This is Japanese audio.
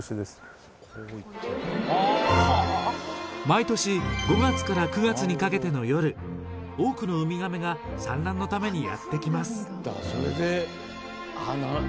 毎年、５月から９月にかけての夜、多くのウミガメが産卵のためにやってきます。